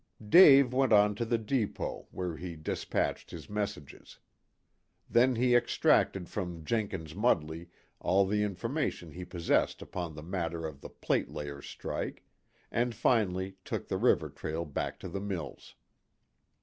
Dave went on to the depot, where he despatched his messages. Then he extracted from Jenkins Mudley all the information he possessed upon the matter of the plate layers' strike, and finally took the river trail back to the mills.